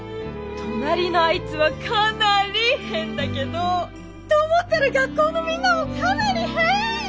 隣のあいつはかなり変だけど。と思ったら学校のみんなもかなり変！